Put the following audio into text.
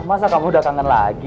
masa kamu udah kangen lagi